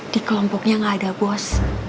di kelompoknya nggak ada bos